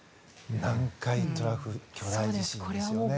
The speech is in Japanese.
南海トラフ巨大地震ですよね。